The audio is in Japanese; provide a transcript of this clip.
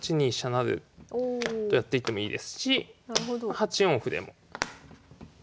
成とやっていってもいいですし８四歩でも。